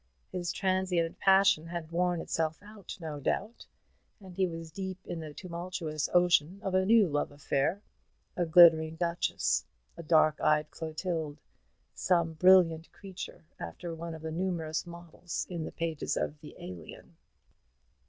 His transient passion had worn itself out, no doubt, and he was deep in the tumultuous ocean of a new love affair, a glittering duchess, a dark eyed Clotilde, some brilliant creature after one of the numerous models in the pages of the "Alien."